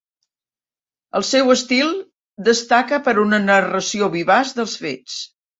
El seu estil destaca per una narració vivaç dels fets.